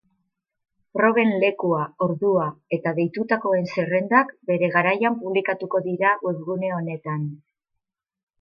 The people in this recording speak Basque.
Proben lekua, ordua eta deitutakoen zerrendak bere garaian publikatuko dira webgune honetan.